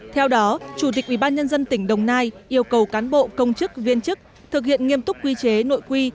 theo đó chủ tịch ubnd tỉnh đồng nai yêu cầu cán bộ công chức viên chức thực hiện nghiêm túc quy chế nội quy